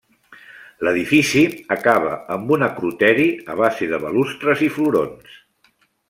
L'edifici acaba amb un acroteri a base de balustres i florons.